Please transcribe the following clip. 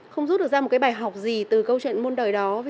không rút được ra một cái bài học gì từ câu chuyện muôn đời đó